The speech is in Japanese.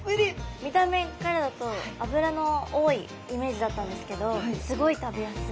見た目からだと脂の多いイメージだったんですけどすごい食べやすい。